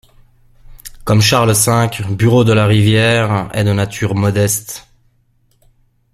Comme Charles V, Bureau de la Rivière est de nature modeste.